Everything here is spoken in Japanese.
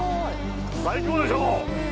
最高でしょ？